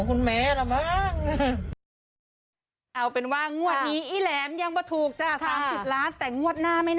เขาบอกว่าแหลมถูก๓๐ล้านค่ะลูกหลานเต็มหมด